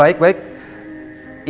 pak nino dari babysitternya